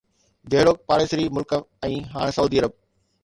جهڙوڪ پاڙيسري ملڪ ۽ هاڻ سعودي عرب